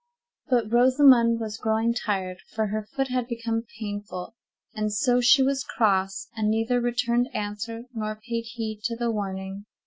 But Rosamond was growing tired, for her foot had become painful, and so she was cross, and neither returned answer, nor paid heed to the warning.